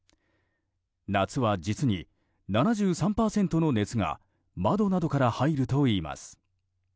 夏は、実に７３％の熱が窓などから入るといいます。